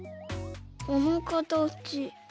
このかたち。